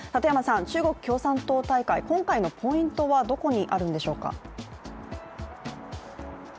中国共産党大会、今回のポイントはどこにあるんでしょうか。